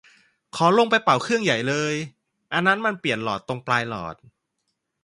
ขอลงไปเป่าเครื่องใหญ่เลย อันนั้นมันเปลี่ยนหลอดตรงปลายตลอด